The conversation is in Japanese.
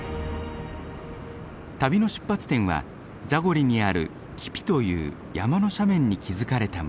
旅の出発点はザゴリにあるキピという山の斜面に築かれた村。